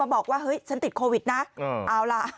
บอกว่าเฮ้ยฉันติดโควิดนะเอาล่ะ